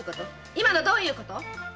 今のどういうこと！